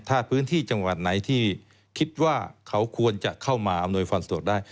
ถ้าพื้นที่จังหวัดไหนที่คิดว่าเขาควรจะเข้ามาอำนวยความสะดวกได้